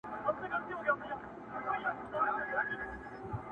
موږ ته مو قسمت پیالې نسکوري کړې د میو!.